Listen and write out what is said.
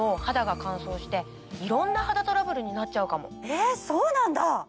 えっそうなんだ！